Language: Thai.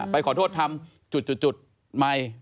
ไปขอโทษทำจุดใหม่